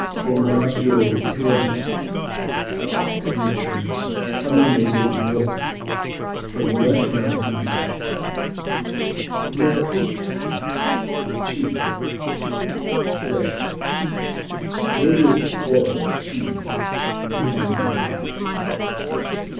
Formaggio Tenero: soft and richer, summer made with milk from lush mountain grazing. Notruschki (cheese bread) Russia Made with Tworog cheese and widely popular.